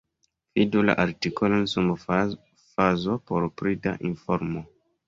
Vidu la artikolon sub fazo por pli da informo.